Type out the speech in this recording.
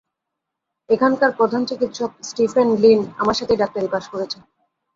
এখানকার প্রধান চিকিৎসক স্টিফেন লিন আমার সাথেই ডাক্তারি পাশ করেছে।